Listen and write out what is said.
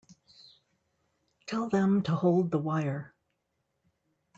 Tell them to hold the wire.